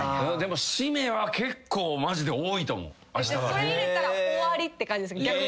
それ入れたら終わりって感じですか？